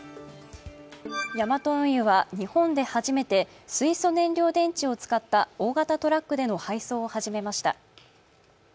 ヤマト運輸は日本で初めて水素燃料電池を使った大型トラックでの配送を始めました。